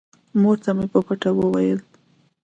مور ته مې په پټه وويل.